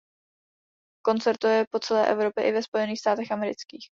Koncertuje po celé Evropě i ve Spojených státech amerických.